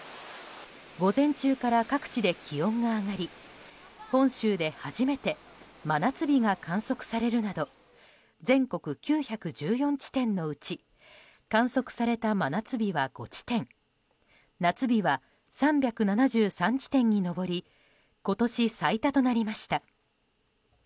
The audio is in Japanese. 午前中から各地で気温が上がり本州で初めて真夏日が観測されるなど全国９１４地点のうち観測された真夏日は５地点夏日は３７３地点に上り今年最多となりました。